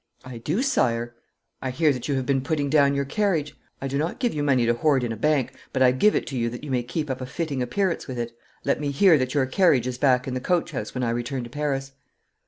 'I do, sire.' 'I hear that you have been putting down your carriage. I do not give you money to hoard in a bank, but I give it to you that you may keep up a fitting appearance with it. Let me hear that your carriage is back in the coach house when I return to Paris.